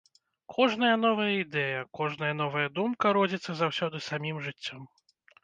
Кожная новая ідэя, кожная новая думка родзіцца заўсёды самім жыццём.